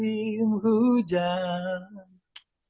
kayaknya saya juga belum lahir